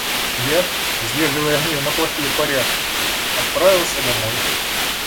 Я, сдерживая гнев на плохие порядки, отправился домой.